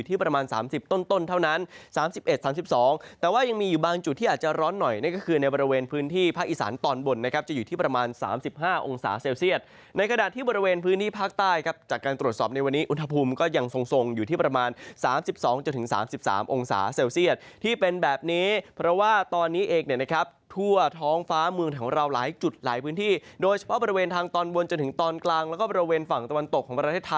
๓๑๓๒แต่ว่ายังมีอยู่บางจุดที่อาจจะร้อนหน่อยนั่นก็คือในบริเวณพื้นที่ภาคอีสานตอนบนนะครับจะอยู่ที่ประมาณ๓๕องศาเซลเซียตในกระดาษที่บริเวณพื้นที่ภาคใต้ครับจากการตรวจสอบในวันนี้อุณหภูมิก็ยังทรงทรงอยู่ที่ประมาณ๓๒จนถึง๓๓องศาเซลเซียตที่เป็นแบบนี้เพราะว่าตอนนี้เอกเนี่ยนะครับ